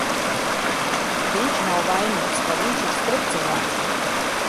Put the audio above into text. Viņš nav vainīgs, ka viņš ir strupceļā.